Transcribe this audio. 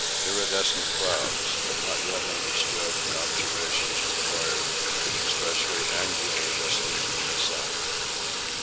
Iridescent Clouds. Not yet understood; observations required, especially angular distance from the sun.